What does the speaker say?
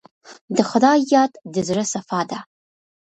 د خدای یاد د زړه صفا ده.